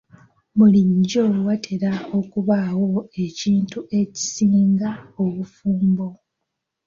Bulijjo watera okubaawo ekintu ekisinga obufumbo.